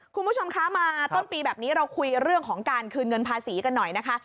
คุณผู้ชมคะมาต้นปีแบบนี้เราคุยเรื่องของการคืนเงินภาษีกันหน่อยนะคะ